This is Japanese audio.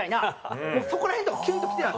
もうそこら辺とかキュンときてたんですよ。